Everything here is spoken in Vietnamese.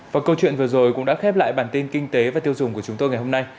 và câu chuyện vừa rồi cũng đã khép lại bản tin kinh tế và tiêu dùng của chúng tôi